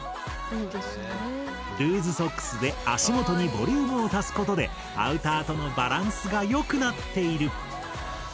ルーズソックスで足元にボリュームを足すことでアウターとのバランスが良くなっている！